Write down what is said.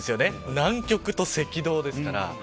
南極と赤道ですから。